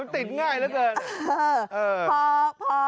ติดง่ายแล้วจน